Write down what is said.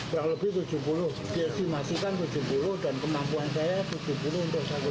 kurang lebih tujuh puluh biasanya masih kan tujuh puluh dan kemampuan saya tujuh puluh untuk sahabat budaya itu